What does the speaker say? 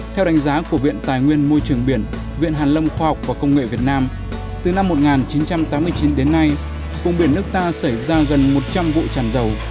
theo đánh giá của viện tài nguyên môi trường biển viện hàn lâm khoa học và công nghệ việt nam từ năm một nghìn chín trăm tám mươi chín đến nay vùng biển nước ta xảy ra gần một trăm linh vụ tràn dầu